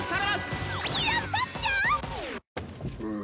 やったっちゃ！